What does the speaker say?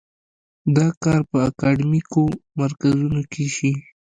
دا کار په اکاډیمیکو مرکزونو کې شي.